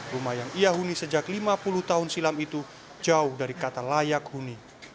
rumah yang ia huni sejak lima puluh tahun silam itu jauh dari kata layak huni